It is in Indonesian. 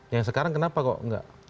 yang sekarang kenapa kok nggak